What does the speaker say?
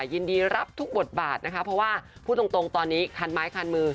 ยินดีรับทุกบทบาทนะคะเพราะว่าพูดตรงตอนนี้คันไม้คันมือ